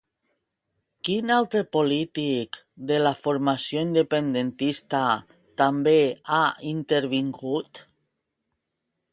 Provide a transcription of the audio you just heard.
Quin altre polític de la formació independentista també ha intervingut?